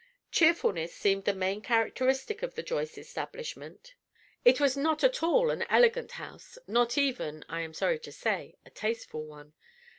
Cheerfulness seemed the main characteristic of the Joyce establishment. It was not at all an elegant house, not even, I am sorry to say, a tasteful one.